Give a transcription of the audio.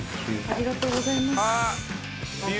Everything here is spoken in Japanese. ありがとうございます。